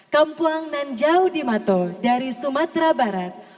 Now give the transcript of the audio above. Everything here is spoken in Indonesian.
kampuang nanjau dimato dari sumatera barat